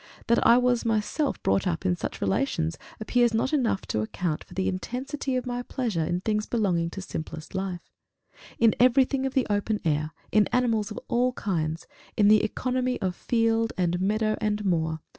That I was myself brought up in such relations, appears not enough to account for the intensity of my pleasure in things belonging to simplest life in everything of the open air, in animals of all kinds, in the economy of field and meadow and moor.